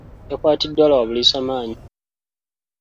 Yakwatiddwa lwa buliisamaanyi.